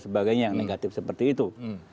sebagainya yang negatif seperti itu